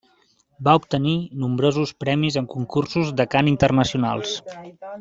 Va obtenir nombrosos premis en concursos de cant internacionals.